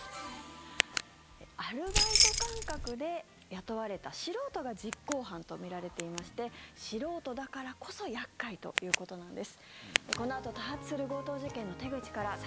アルバイト感覚で雇われた素人が実行犯とみられていまして素人だからこそ厄介ということなんです。